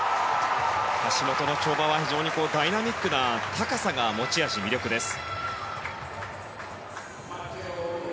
橋本の跳馬は非常にダイナミックな高さが持ち味、魅力です。